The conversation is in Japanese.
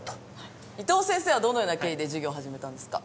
伊藤先生はどのような経緯で授業始めたんですか？